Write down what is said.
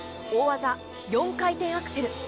大技、４回転アクセル。